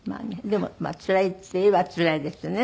でもつらいって言えばつらいですよね。